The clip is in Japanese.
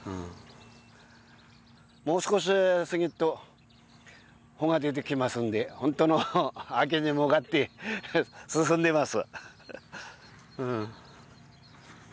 もう少しすぎっと穂が出てきますんでホントの秋に向かって進んでます